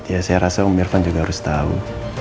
ya saya rasa om irvan juga harus tau